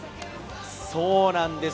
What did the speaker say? そうなんです。